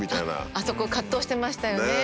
あそこ藤してましたね。